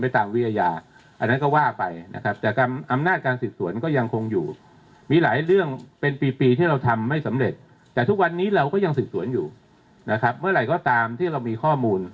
ที่เรามีข้อมูล